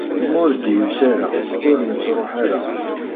Ma ur d-yusi ara, ur nettruḥ ara.